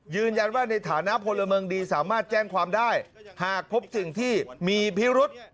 ในฐานะพลเมืองดีสามารถแจ้งความได้หากพบสิ่งที่มีพิรุษ